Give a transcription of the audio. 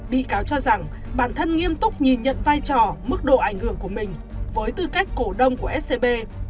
bị cáo cho rằng bản thân nghiêm túc nhìn nhận vai trò mức độ ảnh hưởng của mình với tư cách cổ đông của scb